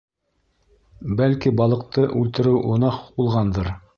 Бәлки, балыҡты үлтереү гонаһ булғандыр.